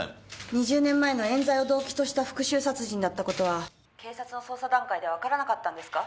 ２０年前の冤罪を動機とした復讐殺人だった事は警察の捜査段階ではわからなかったんですか？